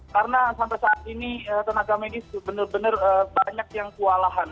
karena sampai saat ini tenaga medis benar benar banyak yang kualahan